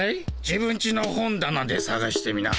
自分ちの本だなでさがしてみな。